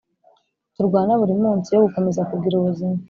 turwana buri munsi yo gukomeza kugira ubuzima